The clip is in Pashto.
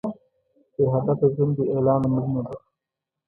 بې هدفه ژوند بې اعلانه مړینه ده.